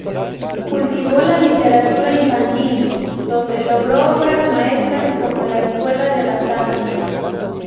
Cultivó la literatura infantil, donde logró obras maestras como "La escuela de las hadas".